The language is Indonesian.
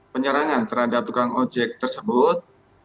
penyerangan terhadap tukang ojek tersebut